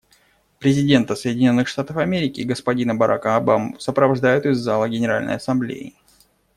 Президента Соединенных Штатов Америки господина Барака Обаму сопровождают из зала Генеральной Ассамблеи.